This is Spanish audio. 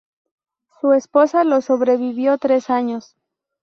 Su esposa lo sobrevivió tres años.